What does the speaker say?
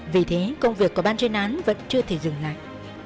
vì thế công việc của ban chuyên án vẫn chưa thể dừng lại